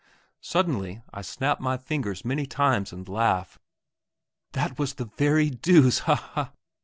Suddenly I snap my fingers many times and laugh: "That was the very deuce! Ha ha!"